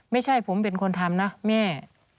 ไม่ใช่ผมเป็นคนทำนะแม่